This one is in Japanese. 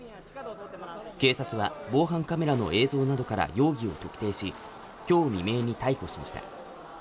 警察は防犯カメラの映像などから容疑を特定し、今日未明に逮捕しました。